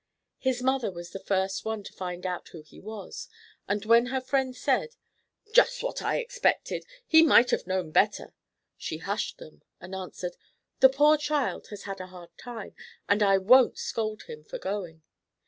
His mother was the first one to find out who he was, and when her friends said, "Just what I expected! He might have known better," she hushed them, and answered: "The poor child has had a hard time, and I won't scold him for going.